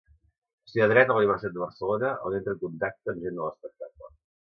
Estudià Dret a la Universitat de Barcelona, on entra en contacte amb gent de l'espectacle.